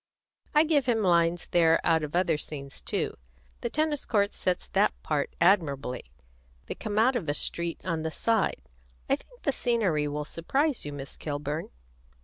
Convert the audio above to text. I give him lines there out of other scenes too; the tennis court sets that part admirably; they come out of a street at the side. I think the scenery will surprise you, Miss Kilburn.